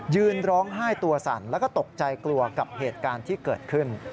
ยืนร้องไห้ตัวสั่นแล้วก็ตกใจกลัวกับเหตุการณ์ที่เกิดขึ้น